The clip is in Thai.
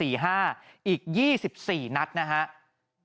อีก๒๔นัดนะครับ